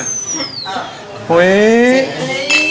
ชิบ